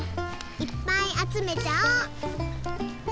いっぱいあつめちゃお！